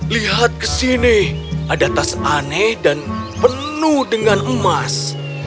lihat kesini ada tas aneh dan penuh dengan emas